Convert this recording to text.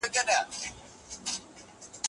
کله کله او حتی اکثر وختونه